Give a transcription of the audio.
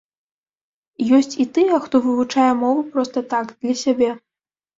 Ёсць і тыя, хто вывучае мову проста так, для сябе.